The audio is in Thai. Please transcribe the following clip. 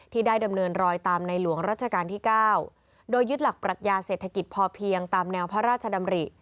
ได้ดำเนินรอยตามในหลวงรัชกาลที่๙โดยยึดหลักปรัชญาเศรษฐกิจพอเพียงตามแนวพระราชดำริ